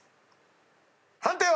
判定は？